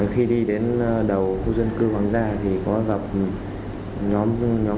khi đi đến đầu khu dân cư hoàng gia thì có gặp nhóm